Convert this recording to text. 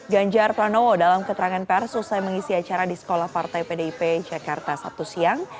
ganjar pranowo dalam keterangan pers usai mengisi acara di sekolah partai pdip jakarta sabtu siang